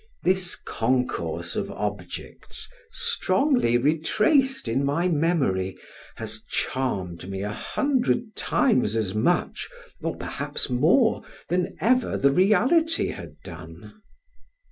This concourse of objects, strongly retraced in my memory, has charmed me a hundred time as much, or perhaps more, than ever the reality had done.